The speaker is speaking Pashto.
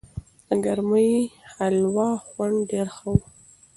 د ګرمې هلوا خوند ډېر ښه و.